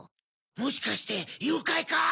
もしかして誘拐か？